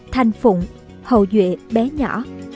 thành phụng hậu duệ bé nhỏ